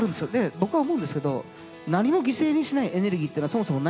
僕は思うんですけど何も犠牲にしないエネルギーっていうのはそもそもないんです。